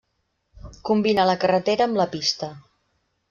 Combina la carretera amb la pista.